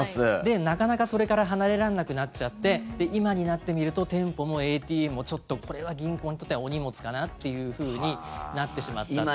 なかなか、それから離れられなくなっちゃって今になってみると店舗もＡＴＭもちょっとこれは銀行にとってはお荷物かなというふうになってしまったという。